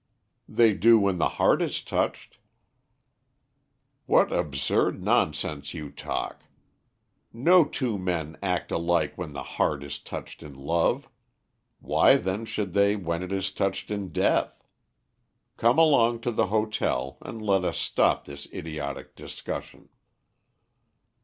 "They do when the heart is touched." "What absurd nonsense you talk! No two men act alike when the heart is touched in love, why then should they when it is touched in death? Come along to the hotel, and let us stop this idiotic discussion."